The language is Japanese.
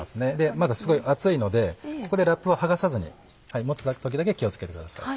まだすごい熱いのでここでラップを剥がさずに持つ時だけ気を付けてください。